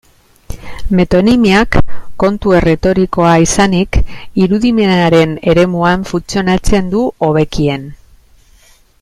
Metonimiak, kontu erretorikoa izanik, irudimenaren eremuan funtzionatzen du hobekien.